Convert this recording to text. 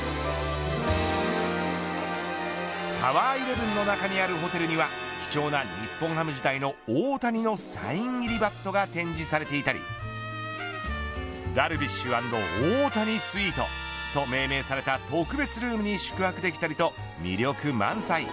１１の中にあるホテルには貴重な日本ハム時代の大谷のサイン入りバットが展示されていたりダルビッシュ＆大谷スイートと命名された特別ルームに宿泊できたりと魅力満載。